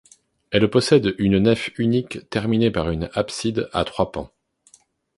Elle possède une nef unique terminée par une abside à trois pans.